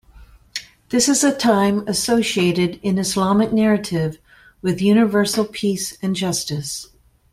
This is a time associated in Islamic narrative with universal peace and justice.